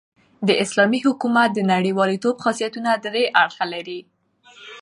د اسلامي حکومت د نړۍوالتوب خاصیتونه درې اړخه لري.